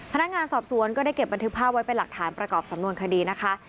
พนักงานสอบสวนก็ได้เก็บบันทึกภาพไว้เป็นหลักฐานประกอบสำนวนคดีนะคะ